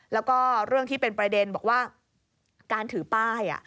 แล้วก็เรื่องที่เป็นประเด็นบอกว่าการถือป้าย